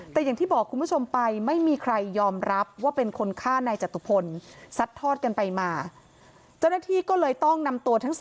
แต่อย่างที่บอกคุณผู้ชมไปไม่มีใครยอมรับว่าเป็นคนฆ่านายจตุภนธรรม